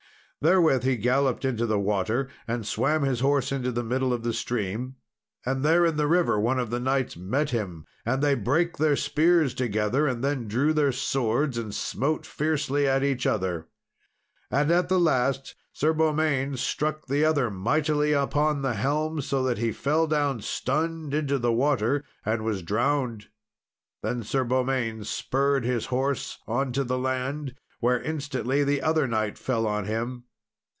Therewith he galloped into the water, and swam his horse into the middle of the stream. And there, in the river, one of the knights met him, and they brake their spears together, and then drew their swords, and smote fiercely at each other. And at the last, Sir Beaumains struck the other mightily upon the helm, so that he fell down stunned into the water, and was drowned. Then Sir Beaumains spurred his horse on to the land, where instantly the other knight fell on him.